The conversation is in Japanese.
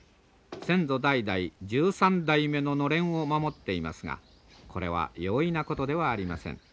先祖代々１３代目ののれんを守っていますがこれは容易なことではありません。